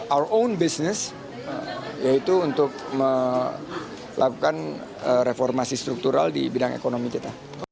our own business yaitu untuk melakukan reformasi struktural di bidang ekonomi kita